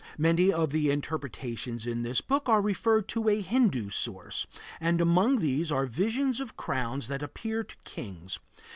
Many of the interpretations in this book are referred to a Hindu source, and among these are visions of crowns that appear to kings.